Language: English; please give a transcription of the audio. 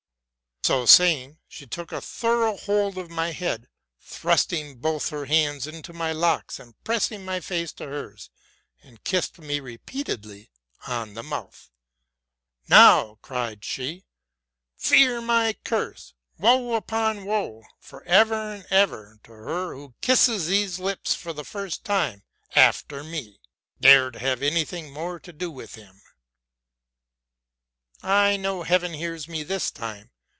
'' So saying, she took a thorough hold of my head, thrusting both her hands into my locks and pressing my face to hers, and kissed me repeatedly on the mouth. '* Now,' cried she, ''fear my curse! Woe upon woe, for ever and ever, to her who kisses these lips for the first time after me ! Dare to have any thing more to do with him! I know Heaven hears me this time.